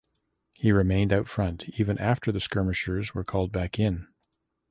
He remained out front even after the skirmishers were called back in.